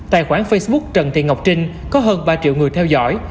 tài khoản facebook trần thị ngọc trinh có hơn ba triệu người theo dõi